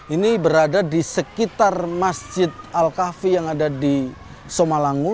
ini berada di sekitar masjid al kahfi yang ada di somalangu